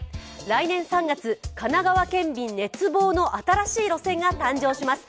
来年３月、神奈川県民熱望の新しい路線が誕生します。